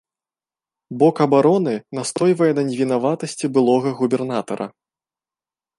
Бок абароны настойвае на невінаватасці былога губернатара.